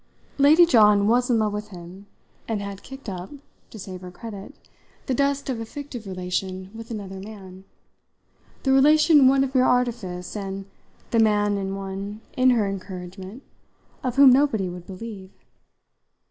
Lady John was in love with him and had kicked up, to save her credit, the dust of a fictive relation with another man the relation one of mere artifice and the man one in her encouragement of whom nobody would believe.